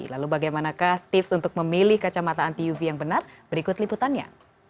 lalu bagaimanakah tips untuk memilih kacamata anti uv yang benar berikut liputannya